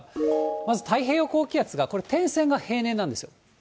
まず太平洋高気圧がこれ、点線が平年なんですよ。